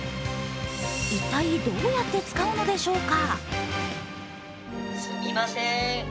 一体、どうやって使うのでしょうか？